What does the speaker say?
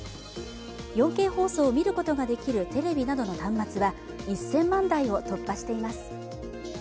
４Ｋ放送を見ることができるテレビなどの端末は１０００万台を突破しています。